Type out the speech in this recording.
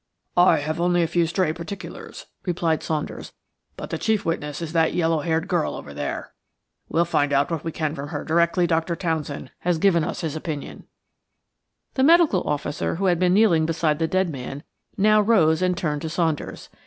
"I have only a few stray particulars," replied Saunders, "but the chief witness is that yellow haired girl over there. We'll find out what we can from her directly Dr. Townson has given us his opinion." The medical officer, who had been kneeling beside the dead man, now rose and turned to Saunders.